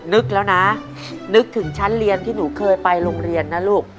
นึกแล้วนะนึกถึงชั้นเรียนที่หนูเคยไปโรงเรียนนะลูก